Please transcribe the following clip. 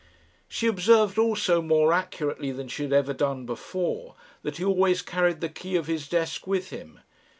She observed also, more accurately than she had ever done before, that he always carried the key of his desk with him.